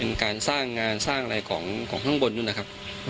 เป็นการสร้างงานสร้างอะไรของข้างบนนู้นนะครับ